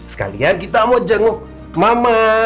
sekalian kita mau jenguk mama